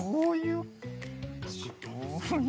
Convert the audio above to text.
うん。